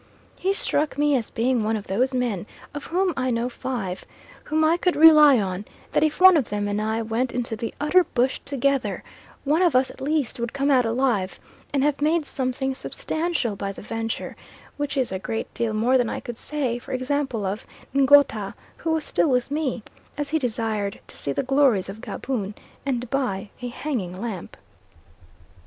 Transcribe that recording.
He struck me as being one of those men, of whom I know five, whom I could rely on, that if one of them and I went into the utter bush together, one of us at least would come out alive and have made something substantial by the venture; which is a great deal more than I could say, for example, of Ngouta, who was still with me, as he desired to see the glories of Gaboon and buy a hanging lamp.